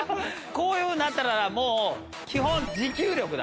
こういうふうになったならもう基本持久力だから。